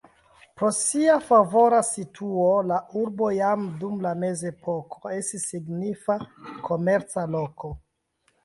Pro sia favora situo la urbo jam dum la mezepoko estis signifa komerca loko.